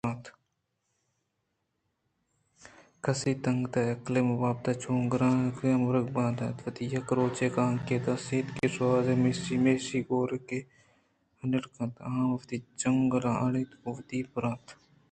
کس تنِکّ عقلے مہ بات چو کہ گُراک ہر مُرگ بال ء وت یک روچے کانگی ئِے ءَ دیست کہ شاہینے ءَ میشی گوٛرگے ءَ ہنیژ کُت ءُ آماں وتی چنگُلاں اڑینت ءُ گوں وت بُرت